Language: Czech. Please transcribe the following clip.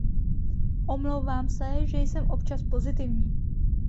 Omlouvám se, že jsem občas pozitivní.